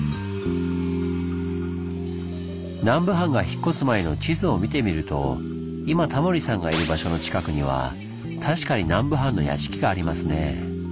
南部藩が引っ越す前の地図を見てみると今タモリさんがいる場所の近くには確かに南部藩の屋敷がありますね。